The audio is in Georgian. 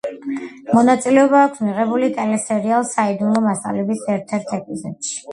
მონაწილეობა აქვს მიღებული ტელესერიალ „საიდუმლო მასალების“ ერთ-ერთ ეპიზოდში.